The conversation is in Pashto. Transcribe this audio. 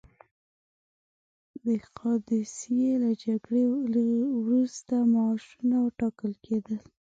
د قادسیې له جګړې وروسته معاشونه ټاکل کېدل.